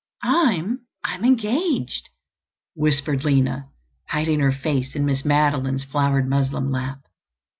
"I'm—I'm engaged," whispered Lina, hiding her face in Miss Madeline's flowered muslin lap.